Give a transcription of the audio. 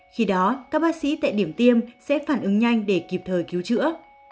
khi đó các bác sĩ tại điểm tiêm sẽ phản ứng nhanh để kịp thời cứu chữa